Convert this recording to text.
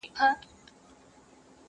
بس و یار ته ستا خواږه کاته درمان سي,